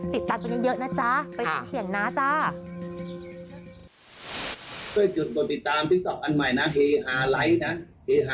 ติดตามกันเยอะนะจ๊ะไปดูเสียงนะจ๊ะ